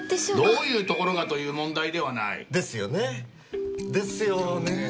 どういうところがという問題ではない。ですよね。ですよねえ。